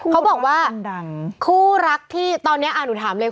เขาบอกว่าคู่รักที่ตอนนี้หนูถามเลย